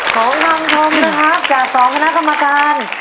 ของมันพร้อมนะครับกับสองคณะกรรมการ